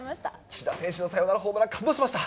選手のサヨナラホームラン、感動しました。